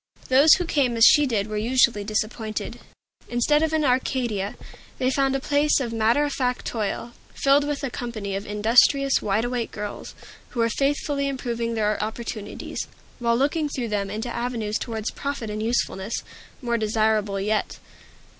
Those who came as she did were usually disappointed. Instead of an Arcadia, they found a place of matter of fact toil, filled with a company of industrious, wide awake girls, who were faithfully improving their opportunities, while looking through them into avenues Toward profit and usefulness, more desirable yet.